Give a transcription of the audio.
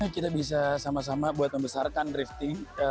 kita bisa sama sama buat membesarkan drifting